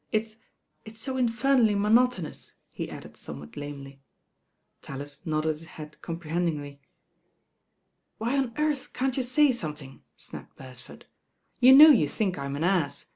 It's— it's so infernally mtmotonous," he added somewhat lamely. Tallis nodded his head comprehendin^y. "Why on earth can't you say something?" snapped ^ THE EAIN GIRL Bcretford "You know you think Vm an ass.